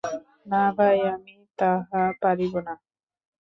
না ভাই, আমি তাহা পারিব না।